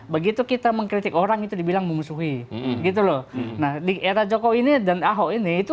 begitu kita mengkritik orang itu dibilang memusuhi gitu loh nah di era jokowi ini dan ahok ini itu